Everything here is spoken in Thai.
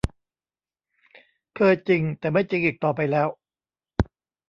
เคยจริงแต่ไม่จริงอีกต่อไปแล้ว